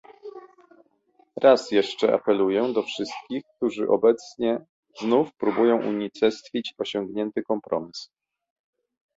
Raz jeszcze apeluję do wszystkich, którzy obecnie znów próbują unicestwić osiągnięty kompromis